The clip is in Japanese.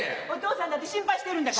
お父さんだって心配してる。